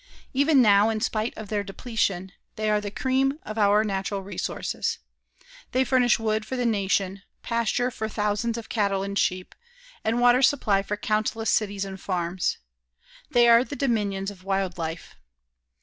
Even now, in spite of their depletion, they are the cream of our natural resources. They furnish wood for the nation, pasture for thousands of cattle and sheep, and water supply for countless cities and farms. They are the dominions of wild life.